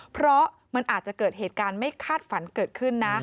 เพราะมันอาจจะเกิดเหตุการณ์ไม่คาดฝันเกิดขึ้นนะ